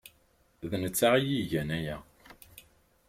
D netta ay igan aya.